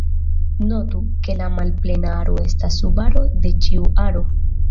Notu, ke la malplena aro estas subaro de ĉiu aro.